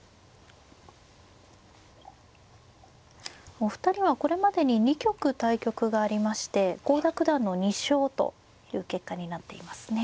お二人はこれまでに２局対局がありまして郷田九段の２勝という結果になっていますね。